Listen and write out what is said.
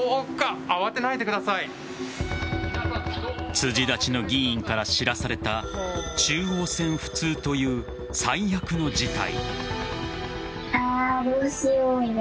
辻立ちの議員から知らされた中央線不通という最悪の事態。